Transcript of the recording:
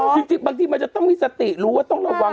จริงบางทีมันจะต้องมีสติรู้ว่าต้องระวัง